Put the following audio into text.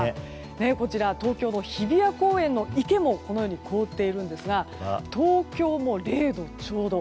こちら、東京の日比谷公園の池もこのように凍っているんですが東京も０度ちょうど。